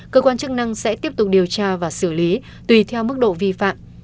cơ quan chức năng sẽ tiếp tục điều tra và xử lý tùy theo mức độ vi phạm